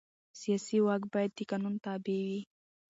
سیاسي واک باید د قانون تابع وي